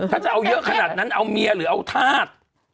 ถ้าจะเอาเยอะขนาดนั้นเอาเมียหรือเอาธาตุ